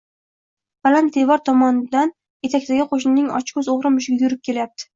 Baland devor tomondan etakdagi qo‘shnining ochko‘z o‘g‘ri mushugi yurib kelyapti